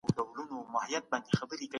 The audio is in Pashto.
تمدن عوامل لري.